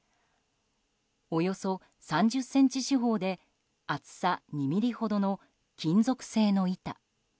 およそ３０ｃｍ四方で厚さ２ｍｍほどの金属製の板。